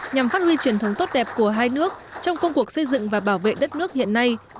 nhằm phát huy truyền thống tốt đẹp của hai nước trong công cuộc xây dựng và bảo vệ đất nước hiện nay